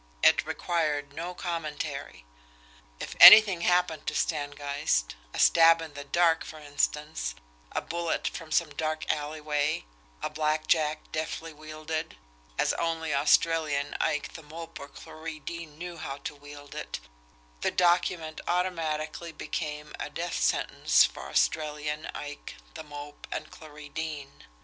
It required no commentary! If anything happened to Stangeist, a stab in the dark, for instance, a bullet from some dark alleyway, a blackjack deftly wielded, as only Australian Ike, The Mope or Clarie Deane knew how to wield it the document automatically became a DEATH SENTENCE for Australian Ike, The Mope, and Clarie Deane!